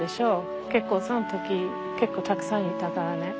結構その時結構たくさんいたからね。